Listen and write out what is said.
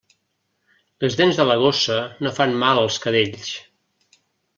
Les dents de la gossa no fan mal als cadells.